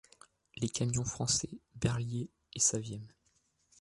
Les camions français Berliet et Saviem.